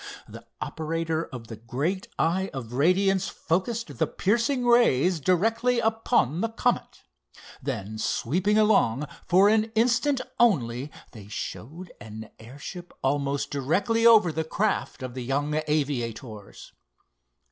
The operator of the great eye of radiance focused the piercing rays directly upon the Comet. Then, sweeping along, for an instant only they showed an airship almost directly over the craft of the young aviators.